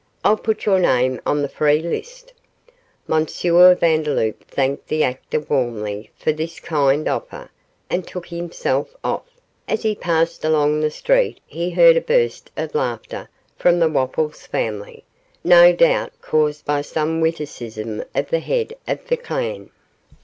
I'll put your name on the free list.' M. Vandeloup thanked the actor warmly for this kind offer, and took himself off; as he passed along the street he heard a burst of laughter from the Wopples family, no doubt caused by some witticism of the head of the clan.